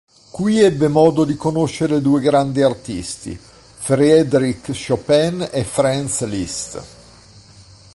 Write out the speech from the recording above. Qui ebbe modo di conoscere due grandi artisti, Fryderyk Chopin e Franz Liszt.